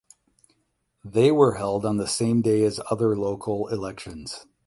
They were held on the same day as other local elections.